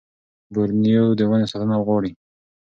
بورنېو د ونو ساتنه غواړي.